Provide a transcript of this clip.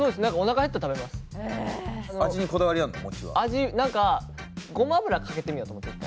味なんかごま油かけてみようと思って一回。